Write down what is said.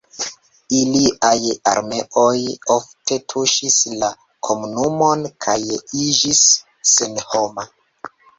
Iliaj armeoj ofte tuŝis la komunumon kaj iĝis senhoma.